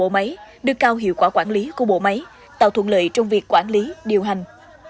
bộ máy đưa cao hiệu quả quản lý của bộ máy tạo thuận lợi trong việc quản lý điều hành